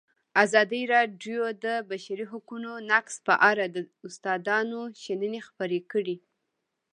ازادي راډیو د د بشري حقونو نقض په اړه د استادانو شننې خپرې کړي.